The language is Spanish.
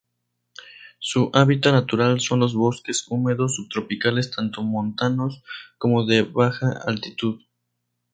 Su hábitat natural son los bosques húmedos subtropicales tanto montanos como de baja altitud.